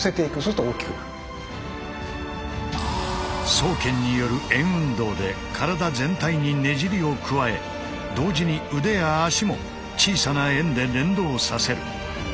走圏による円運動で体全体にねじりを加え同時に腕や足も小さな円で連動させる。